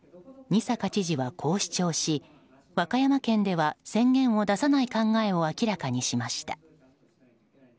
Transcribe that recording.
仁坂知事はこう主張し和歌山県では宣言を出さない考えを明らかにしました。